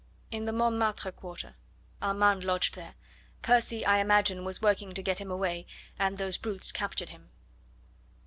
"In the Montmartre quarter. Armand lodged there. Percy, I imagine, was working to get him away; and those brutes captured him."